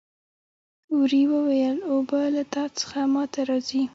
وري وویل اوبه له تا څخه ما ته راځي.